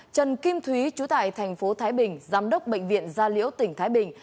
trần kim thúy chủ tải tp thái bình giám đốc bệnh viện gia liễu tỉnh thái bình